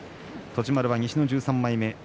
栃丸は西の１３枚目。